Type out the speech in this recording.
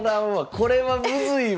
これはムズいわ！